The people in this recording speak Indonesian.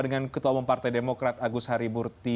dengan ketua umum partai demokrat agus harimurti